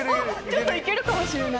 ちょっといけるかもしれない。